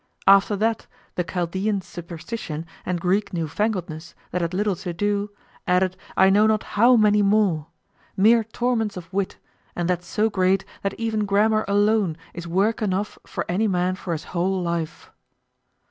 After that the Chaldean superstition and Greek newfangledness, that had little to do, added I know not how many more; mere torments of wit, and that so great that even grammar alone is work enough for any man for his whole life.